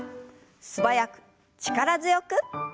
素早く力強く。